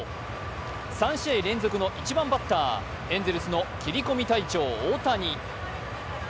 ３試合連続の１番バッター、エンゼルスの切り込み隊長、大谷。